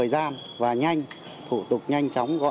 làm sao cho thuận nợ